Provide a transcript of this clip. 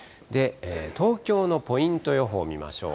東京のポイント予報見ましょう。